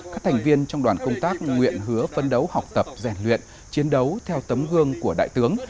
các thành viên trong đoàn công tác nguyện hứa phân đấu học tập rèn luyện chiến đấu theo tấm gương của đại tướng